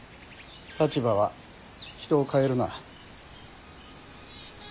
立場は人を変えるな。